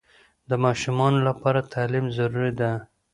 د ماشومانو لپاره تعلیم ضروري ده